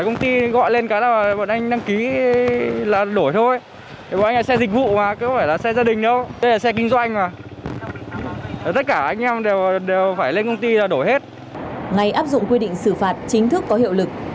ngày áp dụng quy định xử phạt chính thức có hiệu lực